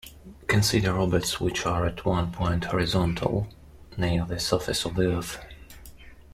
Consider orbits which are at one point horizontal, near the surface of the Earth.